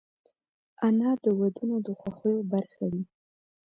انا د ودونو د خوښیو برخه وي